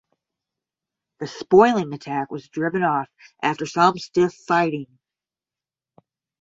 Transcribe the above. The spoiling attack was driven off after some stiff fighting.